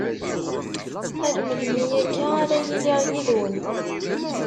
Ar melmi akka ara yiliɣ yid-wen!